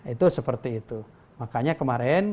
itu seperti itu makanya kemarin